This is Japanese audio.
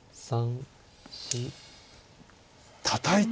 たたいた。